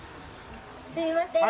すいません。